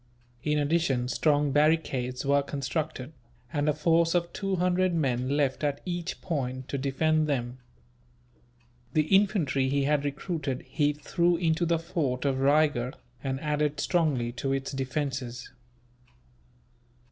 In addition, strong barricades were constructed, and a force of two hundred men left, at each point, to defend them. The infantry he had recruited he threw into the fort of Raygurh, and added strongly to its defences.